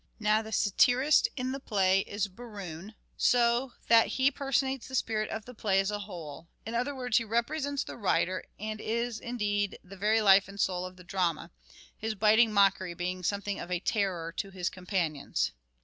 Now the satirist in the play is Berowne, so that he personates the spirit of the play as a whole, in other words he represents the writer, and is indeed the very life and soul of the drama, his biting mockery being something of a terror to his companions.